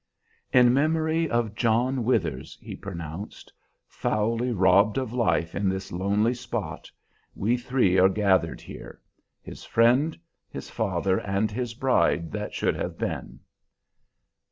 "In memory of John Withers," he pronounced, "foully robbed of life in this lonely spot, we three are gathered here, his friend, his father, and his bride that should have been."